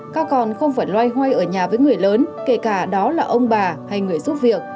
các con không phải loay hoay ở nhà với người lớn kể cả đó là ông bà hay người giúp việc